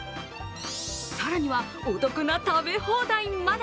更には、お得な食べ放題まで。